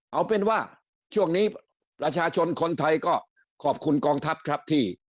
เอาเป็นว่าช่วงนี้ประชาชนคนไทยก็ขอบคุณกองทัพครับที่